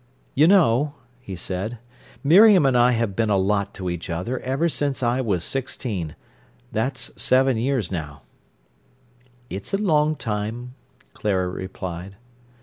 "You know," he said, "Miriam and I have been a lot to each other ever since I was sixteen—that's seven years now." "It's a long time," Clara replied.